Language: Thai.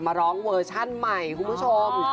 มาร้องเวอร์ชั่นใหม่คุณผู้ชม